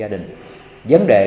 vấn đề còn lại cũng này